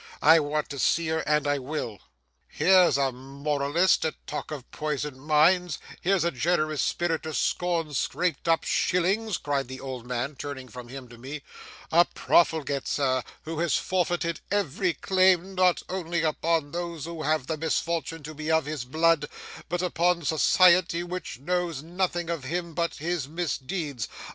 I want to see her; and I will.' 'Here's a moralist to talk of poisoned minds! Here's a generous spirit to scorn scraped up shillings!' cried the old man, turning from him to me. 'A profligate, sir, who has forfeited every claim not only upon those who have the misfortune to be of his blood, but upon society which knows nothing of him but his misdeeds.